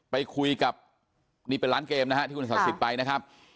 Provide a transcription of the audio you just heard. ไปคุยกับนี่เป็นร้านเกมนะฮะที่คุณศักดิ์สิทธิ์ไปนะครับ